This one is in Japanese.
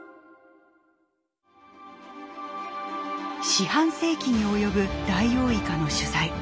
四半世紀に及ぶダイオウイカの取材。